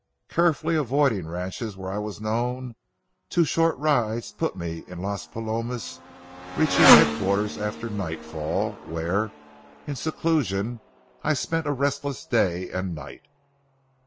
Carefully avoiding ranches where I was known, two short rides put me in Las Palomas, reaching headquarters after nightfall, where, in seclusion, I spent a restless day and night.